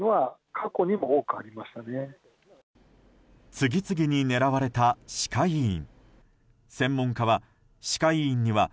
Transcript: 次々に狙われた歯科医院。